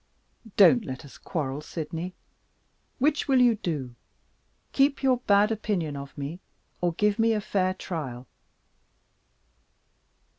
"Don't let us quarrel, Sydney. Which will you do? Keep your bad opinion of me, or give me a fair trial?"